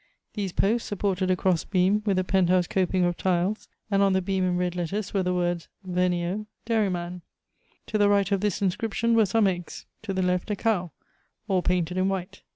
These posts supported a cross beam with a penthouse coping of tiles, and on the beam, in red letters, were the words, "Vergniaud, dairyman." To the right of this inscription were some eggs, to the left a cow, all painted in white.